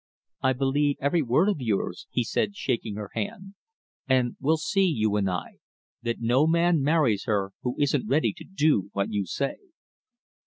"I believe every word of yours," he said, shaking her hand, "and we'll see, you and I, that no man marries her who isn't ready to do what you say."